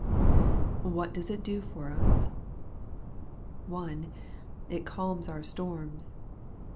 What does it do for us ? 1. It calms our storms.